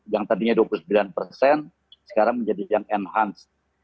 yang tadinya dua puluh sembilan persen sekarang menjadi yang enhance